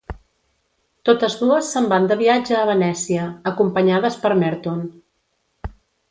Totes dues se'n van de viatge a Venècia, acompanyades per Merton.